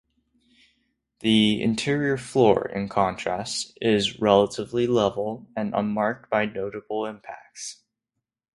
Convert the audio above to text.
The interior floor, in contrast, is relatively level and unmarked by notable impacts.